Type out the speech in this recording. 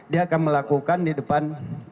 dia akan melakukan di depan